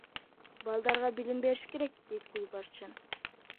Балдарга билим бериш керек, — дейт Гүлбарчын.